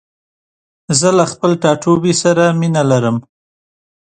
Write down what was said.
زه له خپل ټاټوبي سره مينه لرم.